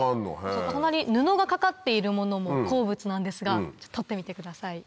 隣布がかかっているものも鉱物なんですが取ってみてください。